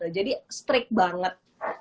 jadi strict banget